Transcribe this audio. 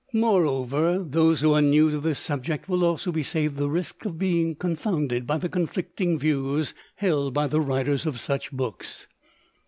Moreover, those who are new to this subject will also be saved the risk of being confounded by the conflicting views held by writers of such books.